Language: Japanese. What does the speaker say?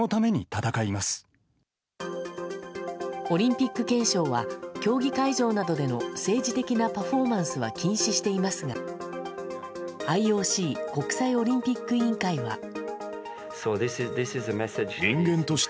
オリンピック憲章は競技会場などでの政治的なパフォーマンスは禁止していますがＩＯＣ・国際オリンピック委員会は。